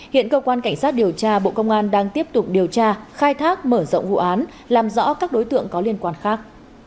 hiện cơ quan cảnh sát điều tra bộ công an đang tiếp tục điều tra khai thác mở rộng vụ án làm rõ các đối tượng có liên quan khác